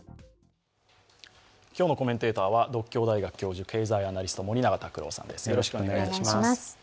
今日のコメンテーターは獨協大学教授、経済アナリスト森永卓郎さんです。